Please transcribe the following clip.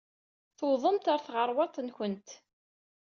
Tewwḍemt ɣer tɣerwaḍt-nwent.